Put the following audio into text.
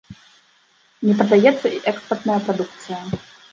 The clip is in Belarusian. Не прадаецца і экспартная прадукцыя.